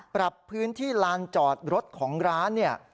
ปรับพื้นที่ลานจอดรถของร้านเนี่ย